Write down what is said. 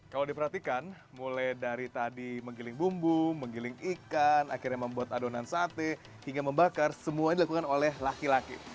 kalau diperhatikan mulai dari tadi menggiling bumbu menggiling ikan akhirnya membuat adonan sate hingga membakar semuanya dilakukan oleh laki laki